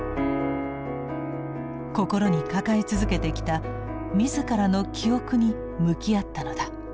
心に抱え続けてきた自らの記憶に向き合ったのだ。